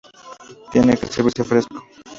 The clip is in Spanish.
Tiene que servirse fresco.